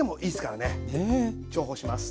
重宝します。